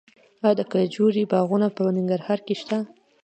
آیا د کجورې باغونه په ننګرهار کې شته؟